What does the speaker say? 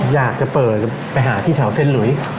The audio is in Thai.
อยากจะเปิดไปหาที่แถวเส้นหลุย